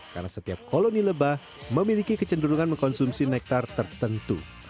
karena setiap koloni lebah memiliki kecenderungan mengkonsumsi nektar tertentu